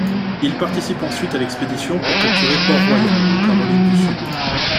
Il participe ensuite à l'expédition pour capturer Port Royal en Caroline du Sud.